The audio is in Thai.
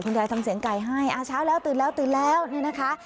คุณจะทำเสียงไก่ให้ช้าแล้วตื่นแล้วนี่นะคะ